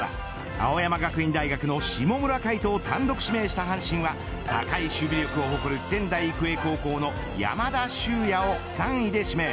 青山学院大学の下村海翔を単独指名した阪神は高い守備力を誇る仙台育英高校の山田修也を３位で指名。